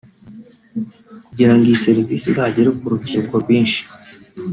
Kugira ngo iyi serivisi izagere ku rubyiruko rwinshi